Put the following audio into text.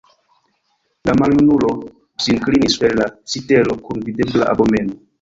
La maljunulo sin klinis super la sitelo kun videbla abomeno.